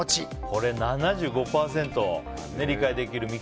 これ、７５％が理解できると。